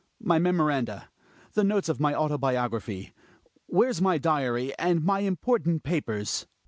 My memoranda ! The notes of my autobiography. Where's my diary and my important papers?